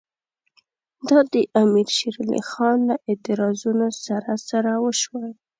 دا د امیر شېر علي خان له اعتراضونو سره سره وشوه.